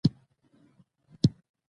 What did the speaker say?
پرېکړې باید ملي وي